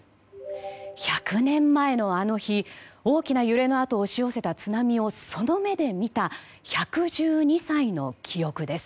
１００年前の、あの日大きな揺れのあと押し寄せた津波をその目で見た１１２歳の記憶です。